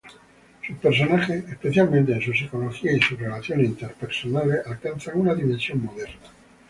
Sus personajes, especialmente en su psicología y sus relaciones interpersonales, alcanzan una dimensión moderna.